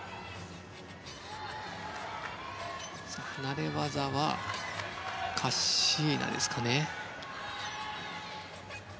離れ技はカッシーナですかね。